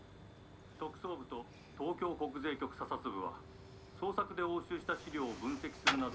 特捜部と東京国税局査察部は捜索で押収した資料を分析するなどして」。